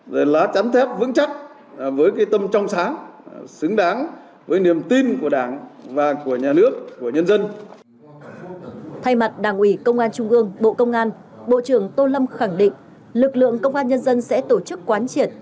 bộ trưởng tô lâm khẳng định lực lượng công an nhân dân sẽ tổ chức quán triển